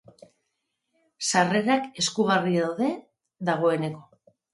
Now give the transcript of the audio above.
Sarrerak eskuragarri daude dagoeneko.